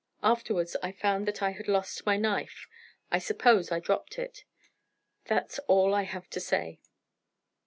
Afterwards I found that I had lost my knife. I suppose I dropped it. That's all I have to say."